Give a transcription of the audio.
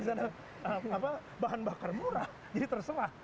kenapa kan ada bahan bakar murah jadi terselah